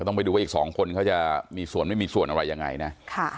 ต้องไปดูว่าอีกสองคนเขาจะมีส่วนไม่มีส่วนอะไรยังไงนะ